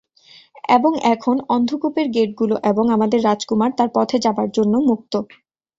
এবং এখন, অন্ধ্কুপের গেটগুলো এবং আমাদের রাজকুমার তার পথে যাবার জন্য মুক্ত।